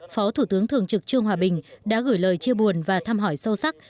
phó thủ tướng thường trực trương hòa bình đã gửi lời chia buồn và thăm hỏi sâu sắc